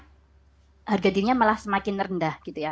kalau berkelanjutan orang menjadi yang jelas harga dirinya malah semakin rendah